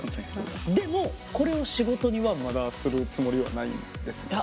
でもこれを仕事にはまだするつもりはないんですかね？